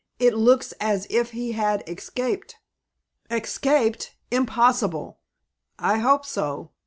"It looks as if he had escaped." "Escaped! Impossible!" "I hope so.